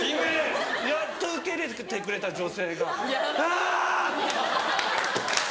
やっと受け入れてくれた女性が「あぁ！」。